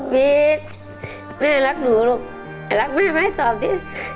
วิทย์ไม่ได้รักหนูลงแต่รักแม่ไม่ตอบดิ